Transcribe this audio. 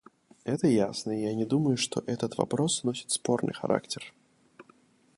Это ясно, и я не думаю, что этот вопрос носит спорный характер.